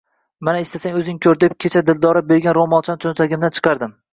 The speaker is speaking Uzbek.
Mana istasang oʻzing koʻr, – deb kecha Dildora bergan roʻmolchani choʻntagimdan chiqardim.